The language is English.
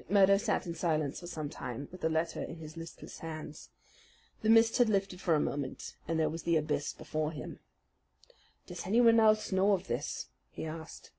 McMurdo sat in silence for some time, with the letter in his listless hands. The mist had lifted for a moment, and there was the abyss before him. "Does anyone else know of this?" he asked.